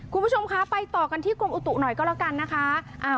คุณผู้ชมคะไปต่อกันที่กรมอุตุหน่อยก็แล้วกันนะคะ